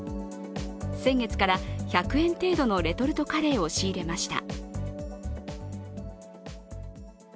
先月から、１００円程度のレトルトカレーを仕入れました。